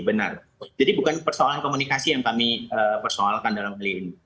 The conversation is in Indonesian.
benar jadi bukan persoalan komunikasi yang kami persoalkan dalam hal ini